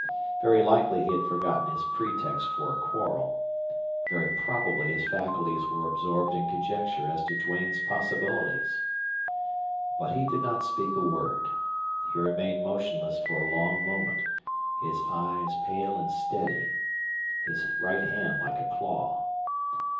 Very likely he had forgotten his pretext for a quarrel. Very probably his faculties were absorbed in conjecture as to Duane's possibilities. But he did not speak a word. He remained motionless for a long moment, his eyes pale and steady, his right hand like a claw.